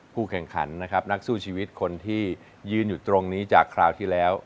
แข่งขันนะครับนักสู้ชีวิตคนที่ยืนอยู่ตรงนี้จากคราวที่แล้ว